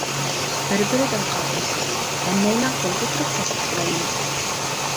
بىر-بىردىن قالغۇسىز، ھەممەيلەن قول كۆتۈرۈپ تەستىقلايمىز.